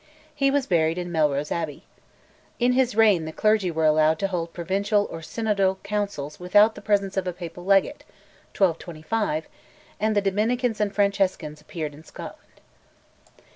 He was buried in Melrose Abbey. In his reign the clergy were allowed to hold Provincial or Synodal Councils without the presence of a papal Legate (1225), and the Dominicans and Franciscans appeared in Scotland.